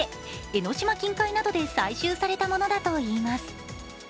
江の島近海などで採集されたものだといいます。